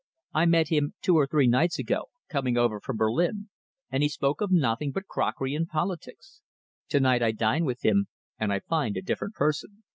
"I met him two or three nights ago, coming over from Berlin, and he spoke of nothing but crockery and politics. To night I dine with him, and I find a different person."